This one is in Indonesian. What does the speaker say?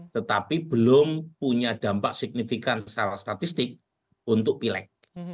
tetapi belum punya dampak signifikan secara statistik untuk pileg